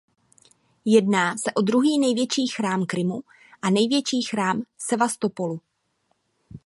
Jedná se o druhý největší chrám Krymu a největší chrám Sevastopolu.